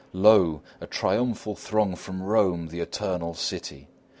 _] Lo, a triumphal throng from Rome, the Eternal City!